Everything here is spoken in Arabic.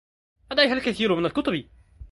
لديها الكثير من الكتب.